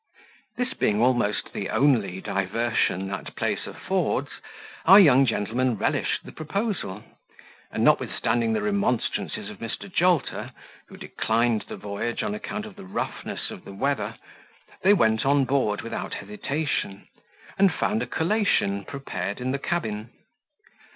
This being almost the only diversion that place affords, our young gentleman relished the proposal; and, notwithstanding the remonstrances of Mr. Jolter, who declined the voyage on account of the roughness of the weather, they went on board without hesitation, and found a collation prepared in the cabin.